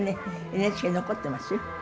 ＮＨＫに残ってますよ。